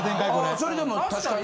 それでも確かに。